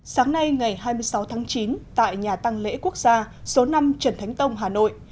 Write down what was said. sáng nay ngày hai mươi sáu tháng chín tại nhà tăng lễ quốc gia số năm trần thánh tông hà nội